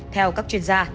theo các chuyên gia